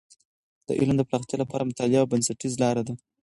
د علم د پراختیا لپاره مطالعه یوه بنسټیزه لاره ده.